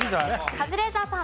カズレーザーさん。